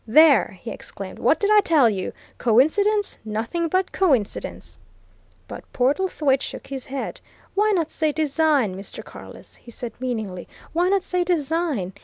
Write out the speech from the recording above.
"There!" he exclaimed. "What did I tell you? Coincidence nothing but coincidence!" But Portlethwaite shook his head. "Why not say design, Mr. Carless?" he said meaningly. "Why not say design?